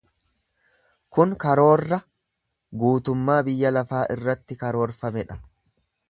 Kun karoorra guutummaa biyya lafaa irratti karoorfame dha.